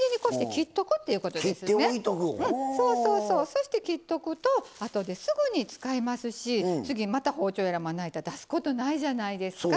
そして切っとくとあとですぐに使えますし次また包丁やらまな板出すことないじゃないですか。